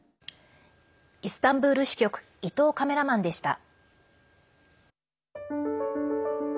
イスタンブール支局伊藤カメラマンでした。